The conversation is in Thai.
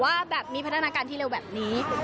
ว่าแบบมีพัฒนาการที่เร็วแบบนี้